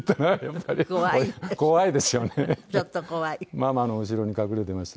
ママの後ろに隠れてました。